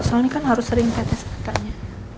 soalnya kan harus sering tetes petanya